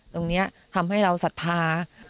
ตรงนี้ทำให้เราศรัทธา